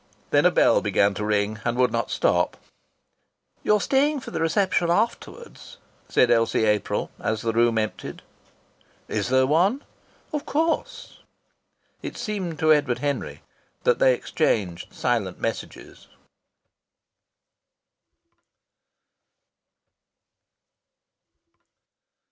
Then a bell began to ring and would not stop. "You're staying for the reception afterwards?" said Elsie April as the room emptied. "Is there one?" "Of course." It seemed to Edward Henry that they exchanged silent messages.